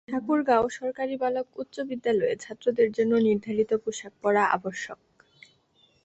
ঠাকুরগাঁও সরকারি বালক উচ্চ বিদ্যালয়ে ছাত্রদের জন্য নির্ধারিত পোশাক পরা আবশ্যক।